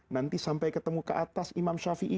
nanti sampai ketemu ke atas imam shafi'i